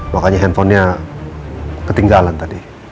makanya handphonenya ketinggalan tadi